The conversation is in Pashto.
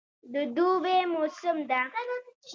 د دوبی موسم ده